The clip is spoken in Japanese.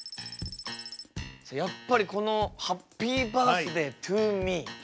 やっぱりこの「ハッピーバースデートゥーミー」。